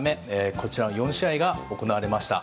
こちらの４試合が行われました。